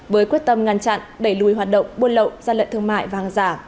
với quyết tâm ngăn chặn đẩy lùi hoạt động buôn lậu gian lận thương mại và hàng giả